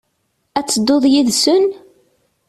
Ad tedduḍ yid-sen?